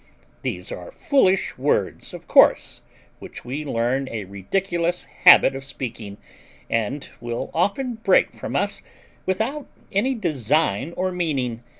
These are foolish words of course, which we learn a ridiculous habit of speaking, and will often break from us without any design or meaning.